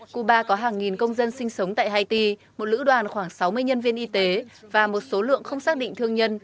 cuba có hàng nghìn công dân sinh sống tại haiti một lữ đoàn khoảng sáu mươi nhân viên y tế và một số lượng không xác định thương nhân